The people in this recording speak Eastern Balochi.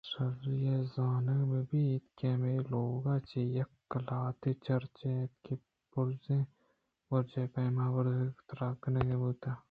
شرّی ءَ زانگ بہ بیت کہ ہمے لوگاں چہ یکے قلات ءِ چرچ اِنت کہ بُرزیں بُرجے ءِ پیم ءَ بُرز تر کنگ بوتگ ات